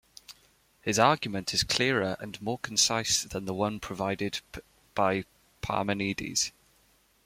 His argument is clearer and more concise than the one provided by Parmenides.